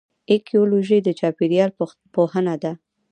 ایکیولوژي د چاپیریال پوهنه ده